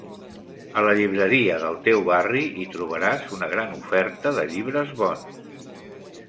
A la Llibreria del teu barri hi trobaràs una gran oferta de llibres bons.